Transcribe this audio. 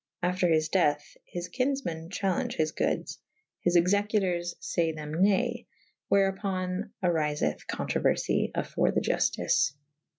After his deth his kynnefme« chale«ge his goodes, his executours fay them nav / wherupon aryfeth controuerfy afore the iuftice.